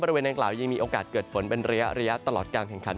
บริเวณดังกล่าวยังมีโอกาสเกิดฝนเป็นระยะตลอดการแข่งขัน